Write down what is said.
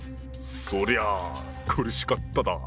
そりゃあ苦しかっただ。